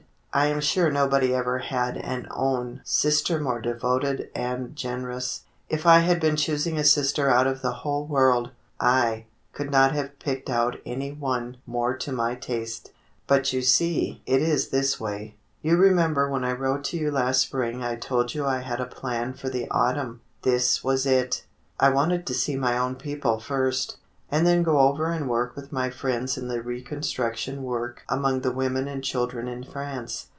"I am sure nobody ever had an own sister more devoted and generous. If I had been choosing a sister out of the whole world, I, could not have picked out any one more to my taste. But you see it is this way. You remember when I wrote to you last spring I told you 130 THE BLUE AUNT I had a plan for the autumn. This was it. I wanted to see my own people first, and then go over and work with my friends in the reconstruction work among the women and children in France.